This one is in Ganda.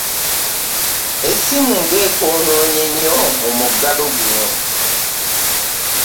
Essimu nga ekoononye nnyo mu muggalo gunno.